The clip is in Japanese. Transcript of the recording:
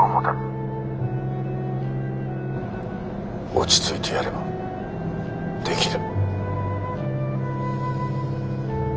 落ち着いてやればできる。